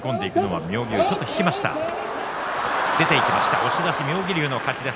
押し出し妙義龍の勝ちです。